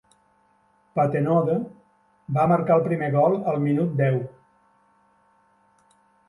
Patenaude va marcar el primer gol al minut deu.